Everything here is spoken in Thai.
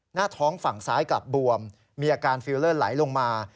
หน้าท้องฝั่งซ้ายกลับบวมมีอาการฟิลเลอร์ไหลลงมา